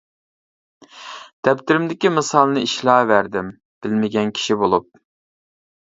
دەپتىرىمدىكى مىسالنى ئىشلەۋەردىم بىلمىگەن كىشى بولۇپ.